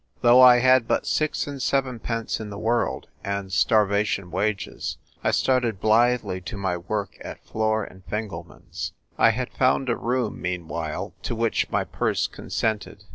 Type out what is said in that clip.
Though I had but six and sevenpence in the world, and starvation wages, I started blithely to my work at Flor and Fingelman's. I had found a room meanwhile to which my purse consented.